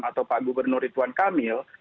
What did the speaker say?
atau pak gubernur ridwan kamil